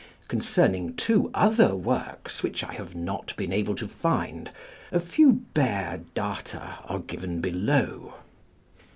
Concerning two other works, which I have not been able to find, a few bare data are given below.